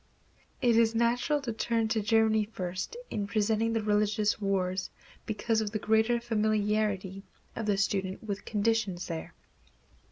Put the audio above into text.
It is natural to turn to Germany first in presenting the religious wars because of the greater familiarity of the student with conditions there.